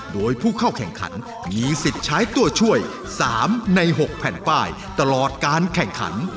โดยผู้เข้าแข่งขันมีสิทธิ์ใช้ตัวช่วย๓ใน๖แผ่นป้ายตลอดการแข่งขัน